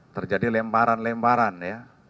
terjadi lemparan lemparan ya